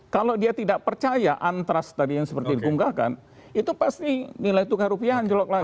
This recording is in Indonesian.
kalau dia tidak percaya antras tadi yang seperti dikunggahkan itu pasti nilai tukar rupiah anjlok lagi